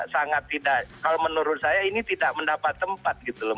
sangat tidak kalau menurut saya ini tidak mendapat tempat gitu loh